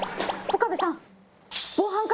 岡部さん！